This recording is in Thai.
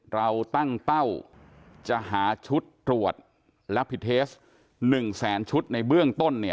เราตั้งเป้าจะหาชุดตรวจและผิดเทส๑แสนชุดในเบื้องต้น